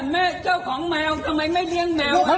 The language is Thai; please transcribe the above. มันอยู่ในบ้านกูกูไม่ได้ไปฆ่าบ้านมึง